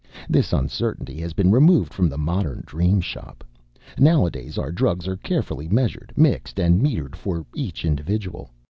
This uncertainty has been removed from the modern Dream Shop. Nowadays, our drugs are carefully measured, mixed, and metered for each individual.